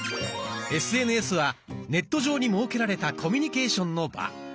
ＳＮＳはネット上に設けられたコミュニケーションの場。